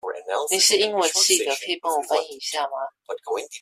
你是英文系的，可以幫我翻譯一下嗎？